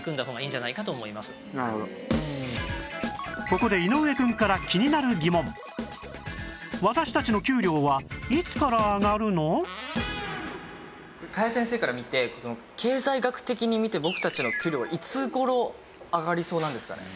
ここで井上くんから気になる疑問加谷先生から見て経済学的に見て僕たちの給料はいつ頃上がりそうなんですかね？